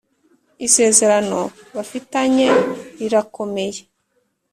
Isezerano bafitanye rirakomeye